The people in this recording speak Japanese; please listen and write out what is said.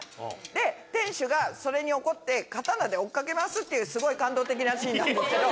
で店主がそれに怒って刀で追っ掛け回すっていうすごい感動的なシーンなんですけど。